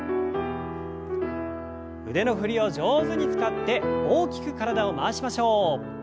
腕の振りを上手に使って大きく体を回しましょう。